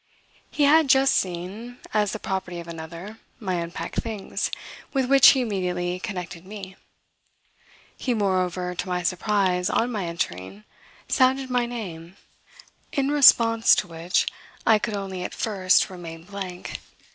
He had just seen, as the property of another, my unpacked things, with which he immediately connected me. He moreover, to my surprise, on my entering, sounded my name, in response to which I could only at first remain blank.